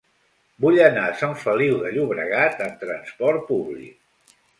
Vull anar a Sant Feliu de Llobregat amb trasport públic.